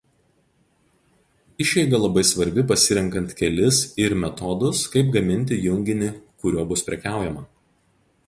Išeiga labai svarbi pasirenkant kelis ir metodus kaip gaminti junginį kuriuo bus prekiaujama.